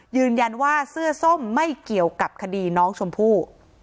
ยืนยันว่าเสื้อส้มไม่เกี่ยวกับคดีน้องชมพู่